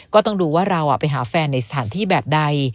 ก็ต้องดูว่าเราไปหาแฟนในสถานที่แบบใด